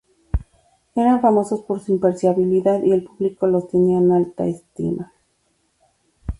Eran famosos por su imparcialidad, y el público los tenía en alta estima.